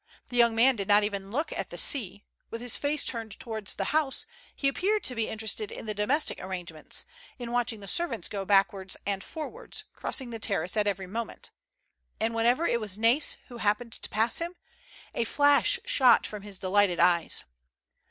The young man did not even look at the sea ; with his face turned towards the house, he appeared to be interested in the domestic arrangements, in watching the servants go backwards and forwards, crossing the terrace at every moment; and whenever it was Nais who happened to pass him, a flash shot from his delighted eyes.